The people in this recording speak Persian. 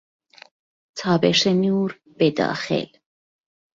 تابش نور به داخل